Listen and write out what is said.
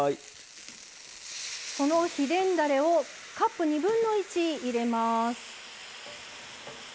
この秘伝だれをカップ２分の１入れます。